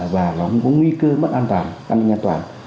và không có nguy cơ bất an toàn an ninh an toàn